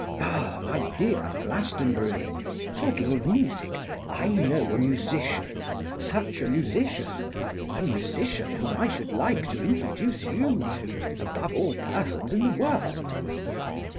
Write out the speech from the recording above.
'Ah! my dear Glastonbury, talking of music, I know a musician, such a musician, a musician whom I should like to introduce you to above all persons in the world.